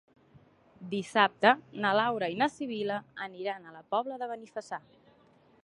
Dissabte na Laura i na Sibil·la aniran a la Pobla de Benifassà.